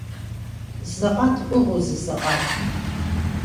Заҟа дҟәыӷоузеи, заҟа?